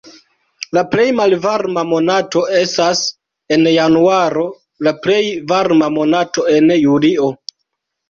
La plej malvarma monato estas en januaro kaj plej varma monato en julio.